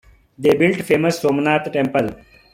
They built famous Somnath Temple.